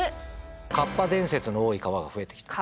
「カッパ伝説の多い川が増えてきた」。